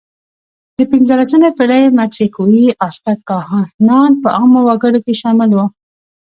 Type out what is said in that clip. د پینځلسمې پېړۍ مکسیکويي آزتک کاهنان په عامو وګړو کې شامل وو.